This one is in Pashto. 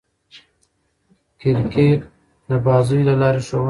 کرکټ د بازيو له لاري ښوونه کوي.